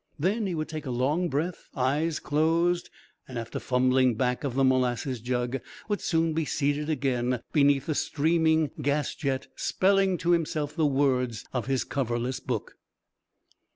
Then he would take a long breath, eyes closed, and, after fumbling back of the molasses jug, would soon be seated again beneath the streaming gas jet spelling to himself the words of his coverless book.